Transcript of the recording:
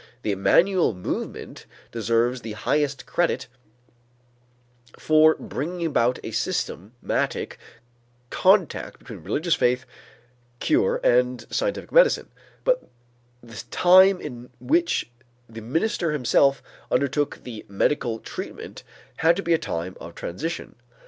The Emmanuel Movement deserves the highest credit for bringing about a systematic contact between religious faith cure and scientific medicine, but the time in which the minister himself undertook the medical treatment had to be a time of transition.